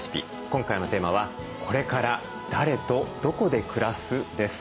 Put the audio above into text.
今回のテーマは「これから誰とどこで暮らす？」です。